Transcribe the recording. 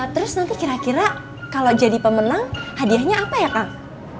terus nanti kira kira kalau jadi pemenang hadiahnya apa ya kang